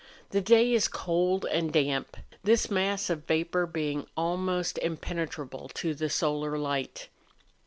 The day is cold and damp,— this mass of vapour being almost impene¬ trable to the solar light.